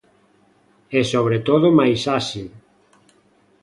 E sobre todo máis áxil.